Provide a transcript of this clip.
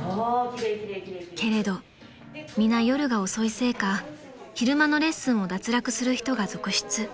［けれど皆夜が遅いせいか昼間のレッスンを脱落する人が続出］